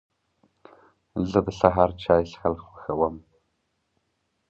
زه د سهار د چای څښل خوښوم.